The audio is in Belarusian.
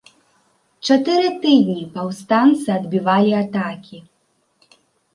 Чатыры тыдні паўстанцы адбівалі атакі.